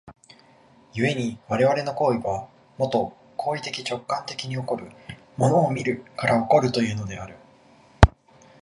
故に我々の行為は、もと行為的直観的に起こる、物を見るから起こるというのである。